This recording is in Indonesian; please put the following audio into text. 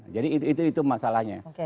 jadi itu masalahnya